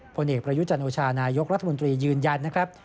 ผลเอกประยุจันโอชานายกรัฐมนตรียืนยันนะครับ